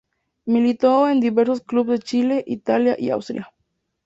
Militó en diversos clubes de Chile, Italia y Austria.